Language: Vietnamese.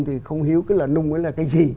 thì không hiểu cái lò nung đó là cái gì